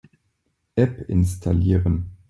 App installieren.